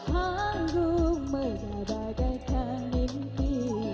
panggung menyebagaikan mimpi